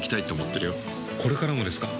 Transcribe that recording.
これからもですか？